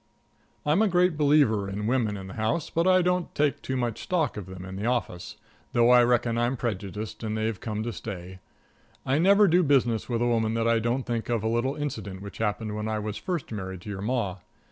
I'm a great believer in women in the home, but I don't take much stock in them in the office, though I reckon I'm prejudiced and they've come to stay. I never do business with a woman that I don't think of a little incident which happened when I was first married to your Ma.